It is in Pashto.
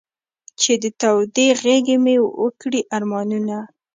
چې د تودې غېږې مې و کړې ارمانونه.